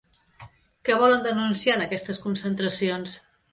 Què volen denunciar en aquestes concentracions?